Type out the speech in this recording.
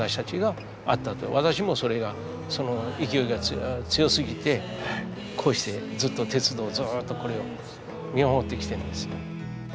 私もそれがその勢いが強すぎてこうしてずっと鉄道をずっとこれを見守ってきてんですよ。